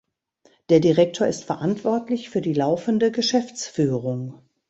Der Direktor ist verantwortlich für die laufende Geschäftsführung.